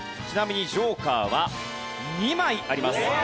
ちなみにジョーカーは２枚あります。